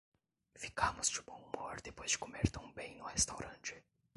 Ficamos de bom humor depois de comer tão bem no restaurante!